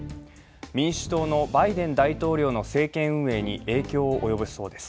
民主党のバイデン大統領の政権運営に影響を及ぼしそうです。